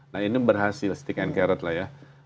nah ini berhasil stick and carrot lah ya